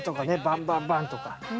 バンバンバンとか。